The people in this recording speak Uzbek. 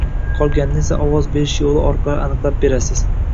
Qolganini esa ovoz berish yoʻli orqali aniqlab berasiz.